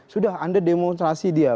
sudah anda demonstrasi dia